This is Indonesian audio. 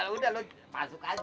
udah lo masuk aja